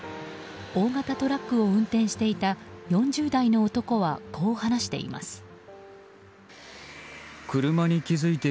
大型トラックを運転していた４０代の男はこう話しています。